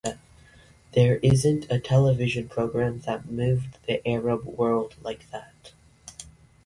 There isn't a television program that moved the Arab world like that.